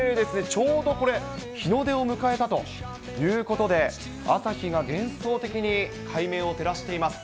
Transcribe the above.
ちょうど、これ、日の出を迎えたということで、朝日が幻想的に海面を照らしています。